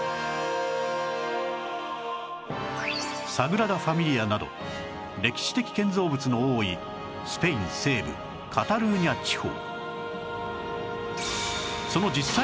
サグラダ・ファミリアなど歴史的建造物の多いスペイン西部カタルーニャ地方